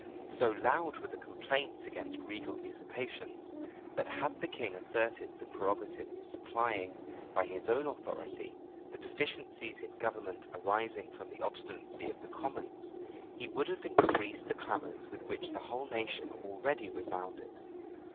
So loud were the complaints against regal usurpations, that had the king asserted the prerogative of supplying, by his own authority, the deficiencies in government arising from the obstinacy of the commons, he would have increased the clamors with which the whole nation already resounded.